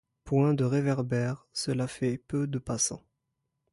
Point de réverbères, cela fait peu de passants.